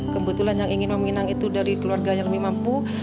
kebetulan yang ingin meminang itu dari keluarganya lebih mampu